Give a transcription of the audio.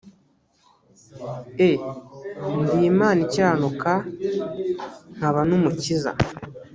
e ndi imana ikiranuka nkaba n umukiza